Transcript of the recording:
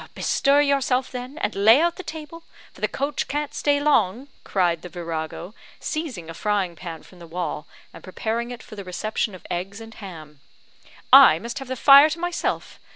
"Bestir yourself, then, and lay out the table, for the coach can't stay long," cried the virago, seizing a frying pan from the wall, and preparing it for the reception of eggs and ham. "I must have the fire to myself.